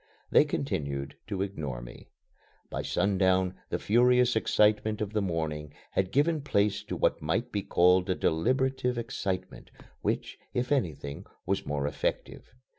They continued to ignore me. By sundown the furious excitement of the morning had given place to what might be called a deliberative excitement, which, if anything, was more effective.